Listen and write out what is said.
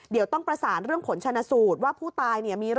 เดี๋ยวต้องประสานเรื่องผลชนสูตร